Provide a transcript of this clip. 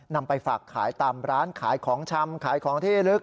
ไปฝากขายตามร้านขายของชำขายของที่ลึก